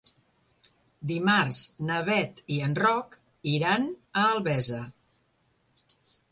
Dimarts na Beth i en Roc iran a Albesa.